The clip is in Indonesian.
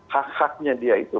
hak haknya dia itu